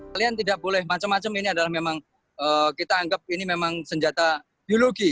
kalian tidak boleh macam macam ini adalah memang kita anggap ini memang senjata biologi